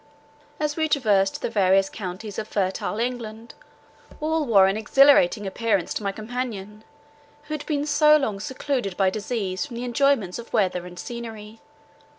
As we traversed the various counties of fertile England, all wore an exhilarating appearance to my companion, who had been so long secluded by disease from the enjoyments of weather and scenery.